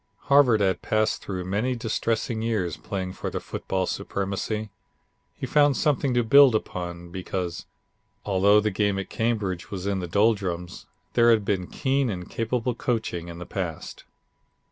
Harvard had passed through many distressing years playing for the football supremacy. He found something to build upon, because, although the game at Cambridge was in the doldrums, there had been keen and capable coaching in the past.